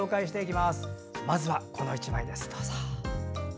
まずはこの１枚です。